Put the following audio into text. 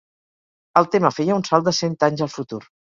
El tema feia un salt de cent anys al futur.